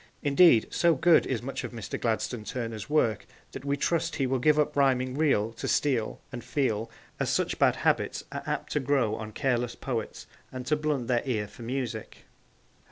Indeed, so good is much of Mr. Gladstone Turner's work that we trust he will give up rhyming 'real' to 'steal' and 'feel,' as such bad habits are apt to grow on careless poets and to blunt their ear for music.